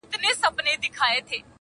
په دې ښار كي داسي ډېر به لېونيان وي؛؛!